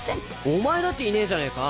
お前だっていねえじゃねぇか！